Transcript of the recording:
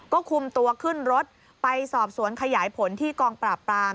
ก็คุมตัวขึ้นรถไปสอบสวนขยายผลที่กองปราบปราม